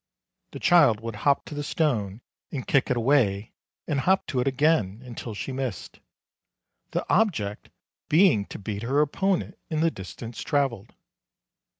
The child would hop to the stone and kick it away and hop to it again until she missed, the object being to beat her opponent in the distance traveled.